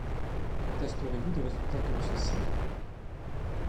Contesterez-vous des résultats comme ceux-ci?